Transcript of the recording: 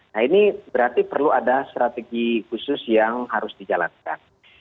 nah ini berarti perlu ada strategi khusus yang harus dijalankan